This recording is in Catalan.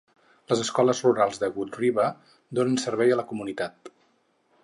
Les escoles rurals de Wood River donen servei a la comunitat.